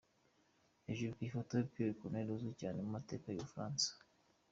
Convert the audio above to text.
Hejuru ku ifoto: Pierre Corneille uzwi cyane mu mateka y’u Bufaransa.